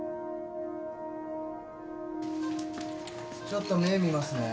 ちょっと目見ますね。